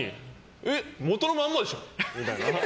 えっ元のまんまでしょ？みたいな。